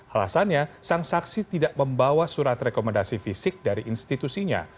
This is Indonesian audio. alasannya sang saksi tidak membawa surat rekomendasi fisik dari institusinya